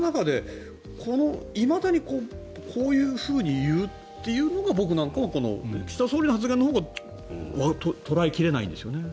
いまだにこういうふうに言うっていうのが僕なんかは岸田総理の発言のほうが捉え切れないんですよね。